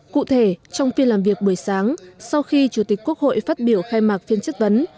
cụ thể trong phiên làm việc buổi sáng sau khi chủ tịch quốc hội phát biểu khai mạc phiên chất vấn